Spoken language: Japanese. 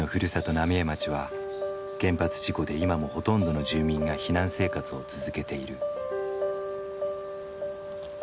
浪江町は原発事故で今もほとんどの住民が避難生活を続けている。